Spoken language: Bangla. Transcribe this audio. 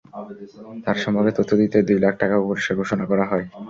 তাঁর সম্পর্কে তথ্য দিতে দুই লাখ টাকা পুরস্কার ঘোষণা করা হয়।